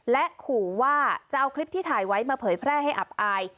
และขู่ว่าจะเอาคลิปที่ถ่ายไว้มาเผยแพร่ให้อับอาย